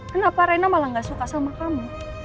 kenapa rena malah gak suka sama kamu